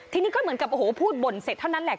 ทีนี้ก็เหมือนกับโอ้โหพูดบ่นเสร็จเท่านั้นแหละ